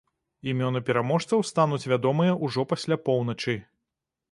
Імёны пераможцаў стануць вядомыя ўжо пасля поўначы.